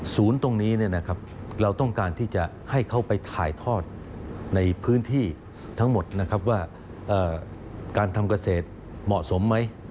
ตรงนี้เราต้องการที่จะให้เขาไปถ่ายทอดในพื้นที่ทั้งหมดนะครับว่าการทำเกษตรเหมาะสมไหม